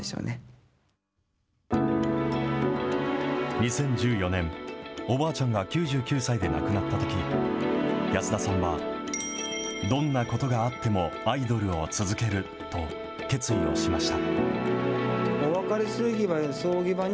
２０１４年、おばあちゃんが９９歳で亡くなったとき、安田さんは、どんなことがあってもアイドルを続けると決意をしました。